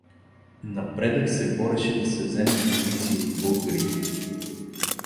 Напредък се бореше да се вземат войници и от българите.